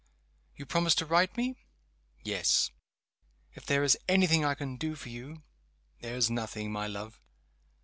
"You promise to write to me?" "Yes." "If there is any thing I can do for you ?" "There is nothing, my love."